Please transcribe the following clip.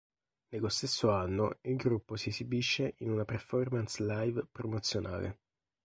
Nello stesso anno, il gruppo si esibisce in una performance live promozionale.